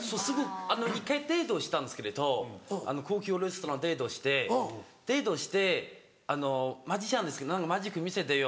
一回デートしたんですけれど高級レストランデートしてデートしてマジシャンですから「何かマジック見せてよ」。